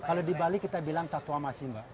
kalau di bali kita bilang tatuamasi mba